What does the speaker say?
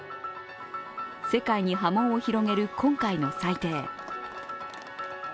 世界に波紋を広げる今回の裁定。